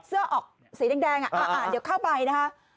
เสื้อออกสีแดงแดงอ่ะอ่าอ่าเดี๋ยวเข้าไปนะฮะ